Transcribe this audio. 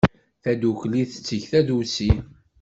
Tadukli tetteg tadusi.